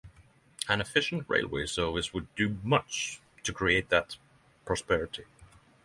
An efficient railway service would do much to create that prosperity.